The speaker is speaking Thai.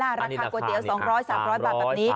ราคาก๋วยเตี๋ยว๒๐๐๓๐๐บาทแบบนี้